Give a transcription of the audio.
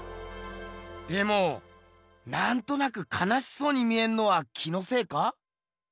でもなんとなくかなしそうに見えんのは気のせいか？